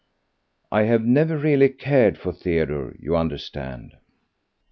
I have never really cared for Theodore, you understand.